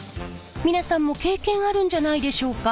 皆さんも経験あるんじゃないでしょうか。